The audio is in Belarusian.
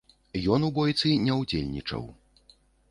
Ён у бойцы не удзельнічаў.